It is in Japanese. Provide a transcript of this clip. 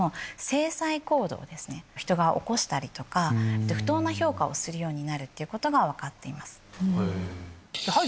人が起こしたりとか不当な評価をするようになるっていうことが分かっています。